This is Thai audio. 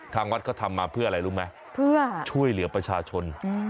ทางวัดเขาทำมาเพื่ออะไรรู้ไหมเพื่อช่วยเหลือประชาชน